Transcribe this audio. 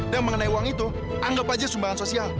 dan mengenai uang itu anggap aja sumbangan sosial